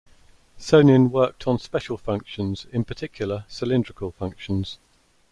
Sonin worked on special functions, in particular cylindrical functions.